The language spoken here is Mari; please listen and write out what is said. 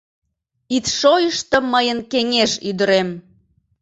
Ит шойышто мыйын кеҥеж-ӱдырем